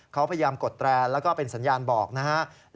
เขาพยายามกดแตรนแล้วก็เป็นสัญญาณบอกนะครับ